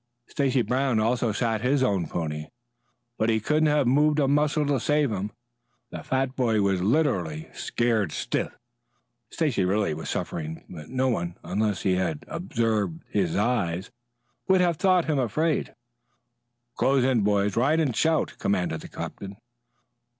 Stacy Brown also sat his own pony, but he couldn't have moved a muscle to save him. The fat boy was literally "scared stiff." Stacy really was suffering, but no one, unless he had observed his eyes, would have thought him afraid. "Close in, boys. Ride and shout!" commanded the captain.